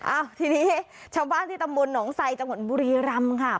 อ้าวทีนี้ชาวบ้านที่ตำบลหนองไซจังหวัดบุรีรำค่ะ